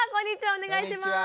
お願いします。